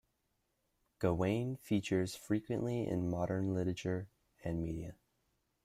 Gawain features frequently in modern literature and media.